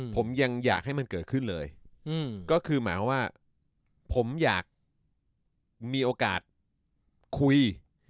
ผมยังอยากให้มันเกิดขึ้นเลยก็คือหมายว่าผมอยากมีโอกาสคุย